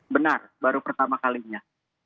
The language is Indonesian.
benar baru pertama kalinya